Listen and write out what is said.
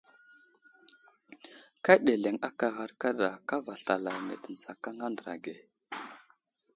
Ka ɗeleŋ aka ghar kaɗa kava slalane tə nzakaŋ a andra ge.